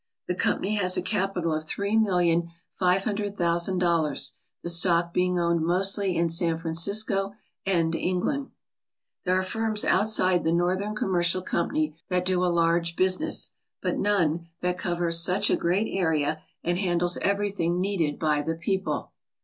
The company has a capital of three mil lion five hundred thousand dollars, the stock being owned mostly in San Francisco and England. There are firms outside the Northern Commercial Com pany that do a large business, but none that covers such 143 ALASKA OUR NORTHERN WONDERLAND a great area and handles everything needed by the people.